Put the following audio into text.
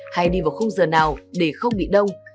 hay đi vào khung giờ nào để không bị đông